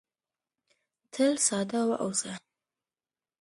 تل ساده واوسه .